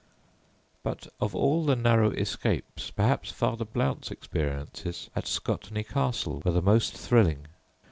But of all the narrow escapes perhaps Father Blount's experiences at Scotney Castle were the most thrilling.